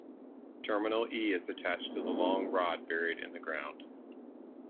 Terminal E is attached to a long rod buried in the ground.